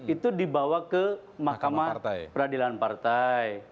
itu dibawa ke mahkamah peradilan partai